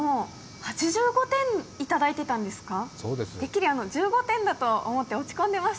８５点いただいてたんですか。